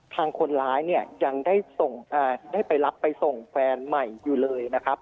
ทางคนร้ายเนี่ยยังได้ไปรับไปส่งแฟนใหม่อยู่เลยนะครับ